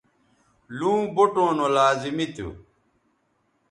لوں بوٹوں نو لازمی تھو